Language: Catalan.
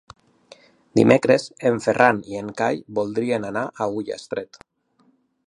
Dimecres en Ferran i en Cai voldrien anar a Ullastret.